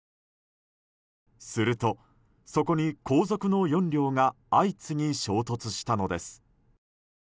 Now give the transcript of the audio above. すると、そこに後続の４両が相次ぎ衝突したのです。